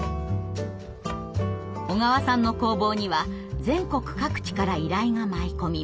小川さんの工房には全国各地から依頼が舞い込みます。